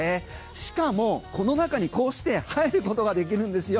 しかも、この中にこうして入ることができるんですよ。